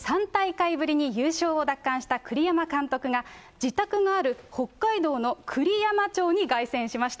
きょう午前、ＷＢＣで３大会ぶりに優勝を奪還した栗山監督が、自宅がある北海道の栗山町に凱旋しました。